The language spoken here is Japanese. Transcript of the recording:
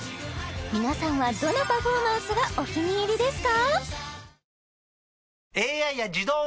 皆さんはどのパフォーマンスがお気に入りですか？